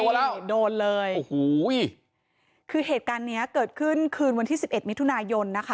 บอกว่าได้ยินเสียงผู้เสียหายร้องขอความช่วยเหลือก็เลยเข้าไปดูจนเจอคนร้ายก็ช่วยกันจับคนร้ายอะค่ะ